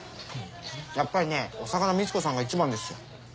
やっぱりねお魚はみち子さんが一番ですよ。